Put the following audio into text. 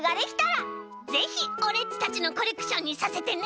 ぜひオレっちたちのコレクションにさせてね！